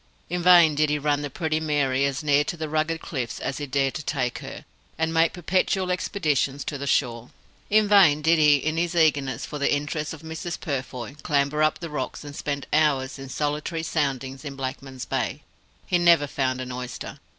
In vain did he run the Pretty Mary as near to the rugged cliffs as he dared to take her, and make perpetual expeditions to the shore. In vain did he in his eagerness for the interests of Mrs. Purfoy clamber up the rocks, and spend hours in solitary soundings in Blackman's Bay. He never found an oyster.